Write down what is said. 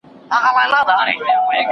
مسلمانانو تل د عدالت غوښتنه کړې وه.